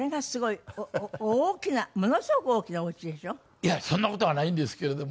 いやそんな事はないんですけれども。